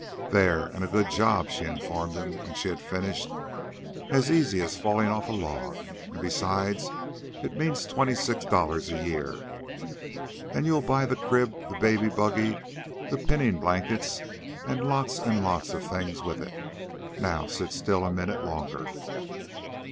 "There, and a good job," she informed him when she had finished. "As easy as falling off a log. And besides, it means twenty six dollars a year. And you'll buy the crib, the baby buggy, the pinning blankets, and lots and lots of things with it. Now sit still a minute longer."